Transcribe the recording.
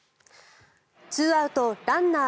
２アウトランナー